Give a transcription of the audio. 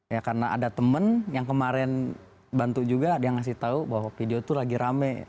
ya karena ada teman yang kemarin bantu juga dia ngasih tahu bahwa video itu lagi rame